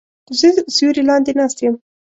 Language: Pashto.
زه سیوری لاندې ناست یم